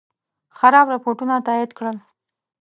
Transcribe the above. خراب رپوټونه تایید کړل.